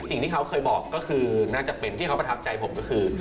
สิ่งที่เขาเคยบอกก็คือน่าจะเป็นที่เขาประทับใจผมก็คือ